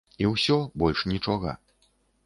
І ўсё, больш нічога.